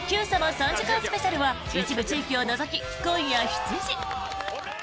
３時間スペシャルは一部地域を除き今夜７時。